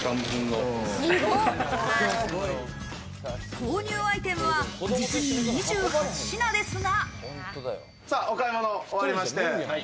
購入アイテムは実に２８品ですが。